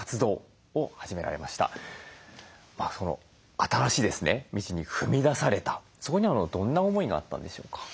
その新しい道に踏み出されたそこにはどんな思いがあったんでしょうか？